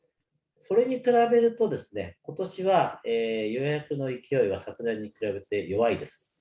それに比べるとですね、ことしは予約の勢いは、昨年に比べて弱いです。